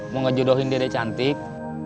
mau ngejodohin dedek cantik